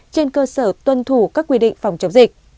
trên cơ sở tuân thủ các quy định phòng chống dịch